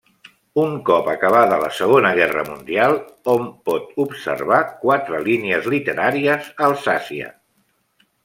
Un cop acabada la Segona Guerra Mundial, hom pot observar quatre línies literàries a Alsàcia.